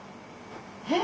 えっ？